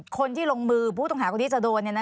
คนที่ลงมือผู้ต้องหาคนนี้จะโดน